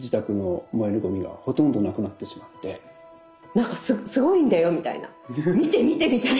なんか「すごいんだよ」みたいな。「見て見て」みたいな。